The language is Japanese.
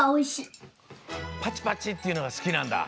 パチパチっていうのがすきなんだ。